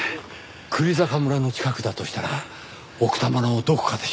久里坂村の近くだとしたら奥多摩のどこかでしょうねぇ。